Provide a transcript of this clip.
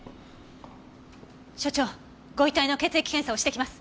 所長ご遺体の血液検査をしてきます。